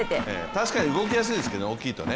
確かに動きやすいですけどね、大きいとね。